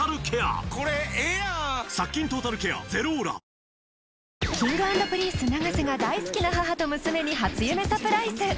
Ｋｉｎｇ＆Ｐｒｉｎｃｅ永瀬が大好きな母と娘に初夢サプライズ